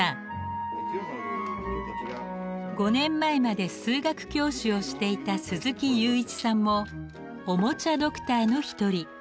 ５年前まで数学教師をしていた鈴木有一さんもおもちゃドクターの一人。